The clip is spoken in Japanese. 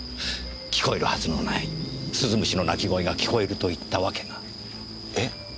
聞こえるはずのない鈴虫の鳴き声が聞こえると言ったわけが。え？